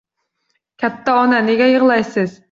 Katta ona, nega yig'laysiz?